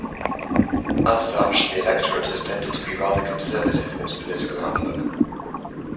As such, the electorate has tended to be rather conservative in its political outlook.